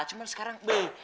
cuman sekarang beluh